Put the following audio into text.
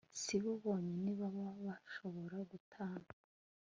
si bo bonyine baba bashobora gutana